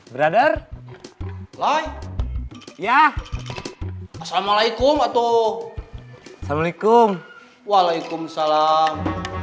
brother like ya assalamualaikum atau assalamualaikum waalaikumsalam